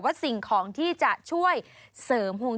สิ่งของที่จะช่วยเสริมห่วง